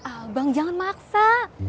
abang jangan maksa